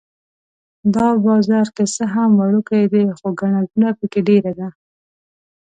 دا بازار که څه هم وړوکی دی خو ګڼه ګوڼه په کې ډېره ده.